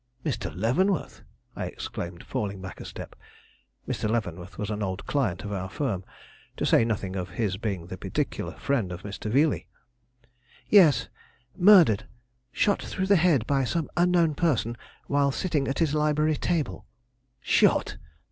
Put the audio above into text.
"Mr. Leavenworth!" I exclaimed, falling back a step. Mr. Leavenworth was an old client of our firm, to say nothing of his being the particular friend of Mr. Veeley. "Yes, murdered; shot through the head by some unknown person while sitting at his library table." "Shot!